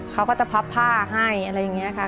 เขาก็จะพับผ้าให้อะไรอย่างนี้ค่ะ